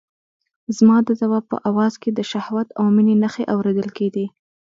زما د ځواب په آواز کې د شهوت او مينې نښې اورېدل کېدې.